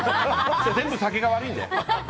全部酒が悪いんだよ。